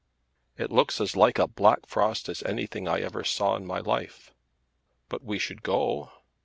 "It looks as like a black frost as anything I ever saw in my life." "But we should go?"